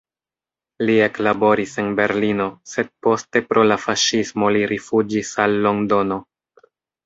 Li eklaboris en Berlino, sed poste pro la faŝismo li rifuĝis al Londono.